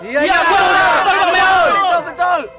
iya betul betul betul